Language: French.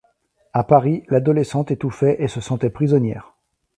À Paris, l'adolescente étouffait et se sentait prisonnière.